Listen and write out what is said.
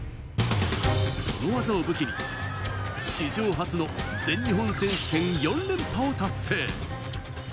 その技を武器に史上初の全日本選手権４連覇を達成。